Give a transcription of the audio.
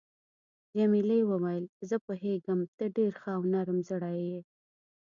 جميلې وويل: زه پوهیږم ته ډېر ښه او نرم زړی یې.